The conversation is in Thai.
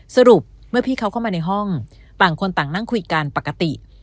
สรุปเมื่อพี่เขาเข้ามาในห้องต่างคนต่างนั่งคุยกันปกติ